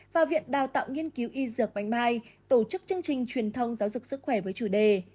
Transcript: và viện đào tạo nghiên cứu y dược vành mai tổ chức chương trình truyền thông giáo dục sức khỏe với chủ đề